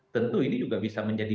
tentu ini juga bisa menjadi